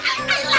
ya allah ya allah